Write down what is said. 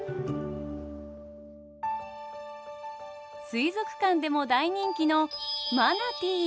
水族館でも大人気のマナティー。